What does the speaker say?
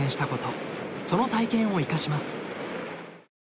その体験を生かします。